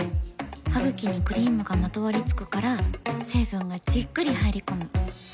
ハグキにクリームがまとわりつくから成分がじっくり入り込む。